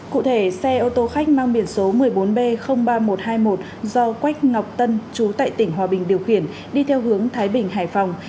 cụ thể xe ô tô khách mang biển số một mươi bốn b ba nghìn một trăm hai mươi một do quách ngọc tân chú tại tỉnh hòa bình điều khiển đi theo hướng thái bình hải phòng